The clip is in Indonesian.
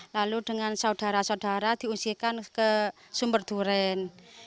lalu dengan saudara saudara diusirkan ke sumberduren